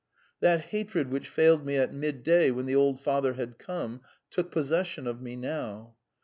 That hatred which failed me at midday when the old father had come, took possession of me now.